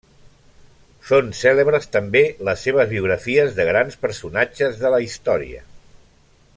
Són cèlebres també les seves biografies de grans personatges de la història.